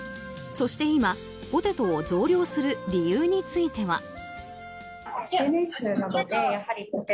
そして今、ポテトを増量する理由については。